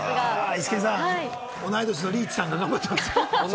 イシケンさん、同い年のリーチさん、頑張ってますよ。